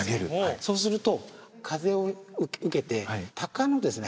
そうすると風を受けてタカのですね